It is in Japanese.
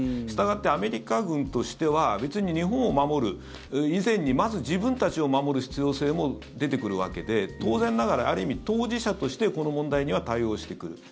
したがって、アメリカ軍としては日本を守る以前にまず自分たちを守る必要性も出てくるわけで当然ながらある意味、当事者としてこの問題には対応してくる。